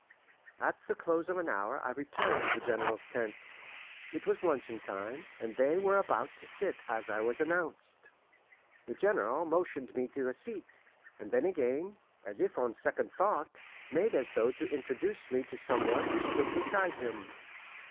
At the close of an hour I returned to the General's tent. It was luncheon time, and they were about to sit as I was announced. The General motioned me to a seat, and then again, as if on second thought, made as though to introduce me to some one who stood beside him.